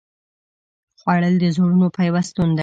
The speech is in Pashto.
خوړل د زړونو پیوستون دی